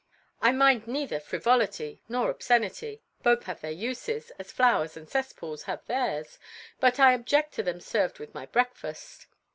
I mind neither frivolity nor obscenity; both have their uses, as flowers and cesspools have theirs; but I object to them served with my breakfast.